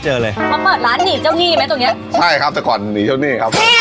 ใช่ครับแต่ก่อนหนีเจ้านี่ครับ